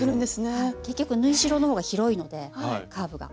結局縫い代の方が広いのでカーブが。